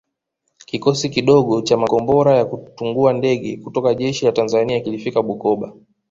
Kikosi kidogo cha makombora ya kutungua ndege kutoka jeshi la Tanzania kilifika Bukoba